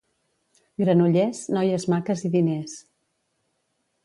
Granollers, noies maques i diners.